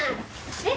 えっ？